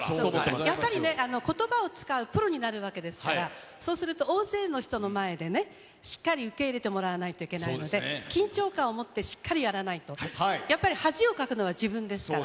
やっぱりね、ことばを遣うプロになるわけですから、そうすると、大勢の人の前でね、しっかり受け入れてもらわないといけないので、緊張感をもってしっかりやらないと、やっぱり恥をかくのは自分ですからね。